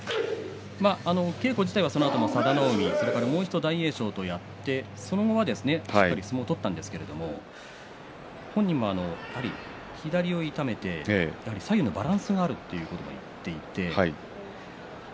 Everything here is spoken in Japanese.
稽古自体はそのあと佐田の海と、もう一度大栄翔とやって相撲を取ったんですけれど本人も左を痛めて左右のバランスがあるということを言っていましたね。